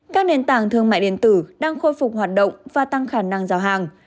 các nền tảng thương mại điện tử đang khôi phục hoạt động và tăng khả năng giao hàng